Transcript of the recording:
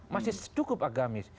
masih cukup agamis